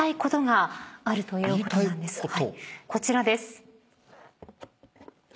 こちらです。